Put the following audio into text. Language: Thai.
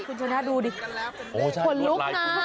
คุณชนะดูดิโอ้ใช่ขนลุกน่ะ